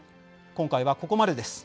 今回は、ここまでです。